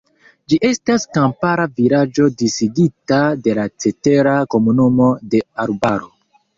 Ĝi estas kampara vilaĝo disigita de la cetera komunumo de arbaro.